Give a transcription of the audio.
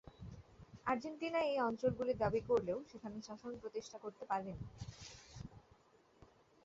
Argentina এই অঞ্চলগুলি দাবি করলেও, সেখানে শাসন প্রতিষ্ঠা করতে পারেনি।